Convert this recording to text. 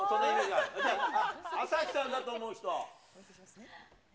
朝日さんだと思う人？